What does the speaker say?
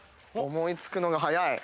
思い付くのが早い。